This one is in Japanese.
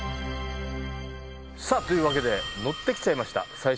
さあというわけで乗ってきちゃいました最新のリニア。